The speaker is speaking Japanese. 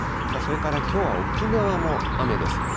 それからきょうは沖縄も雨です。